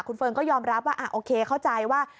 เฟิร์นก็ยอมรับว่าโอเคเข้าใจว่า